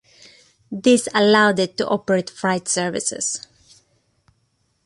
This allowed it to operate freight services.